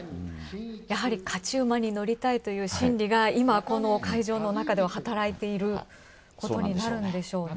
やはり勝ち馬に乗りたいという心理が今、この会場の中では働いていることになるんでしょうね。